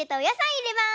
いれます。